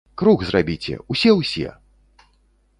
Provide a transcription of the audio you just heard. Круг зрабіце, усе ўсе!